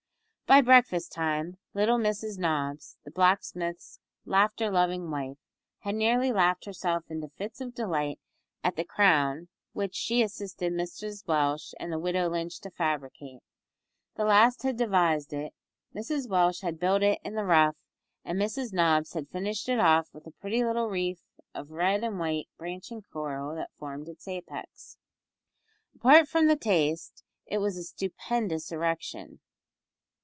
By breakfast time little Mrs Nobbs, the blacksmith's laughter loving wife, had nearly laughed herself into fits of delight at the crown, which she assisted Mrs Welsh and the widow Lynch to fabricate. The last had devised it, Mrs Welsh had built it in the rough, and Mrs Nobbs had finished it off with the pretty little wreath of red and white branching coral that formed its apex. Apart from taste it was a stupendous erection.